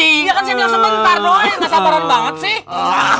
iya kan siap siap sebentar doi gak sabaran banget sih